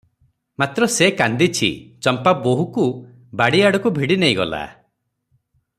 ମାତ୍ର ସେ କାନ୍ଦିଛି ।ଚମ୍ପା ବୋହୂକୁ ବାଡିଆଡକୁ ଭିଡ଼ି ନେଇଗଲା ।